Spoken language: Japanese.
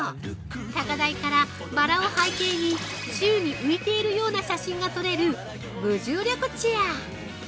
高台からバラを背景に宙に浮いているような写真が撮れる「無重力チェア」。